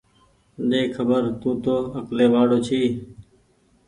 ۮيکبر تونٚ تو اڪلي وآڙو ڇي